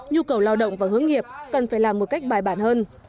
nhu cầu lao động và hướng nghiệp cần phải làm một cách bài bản hơn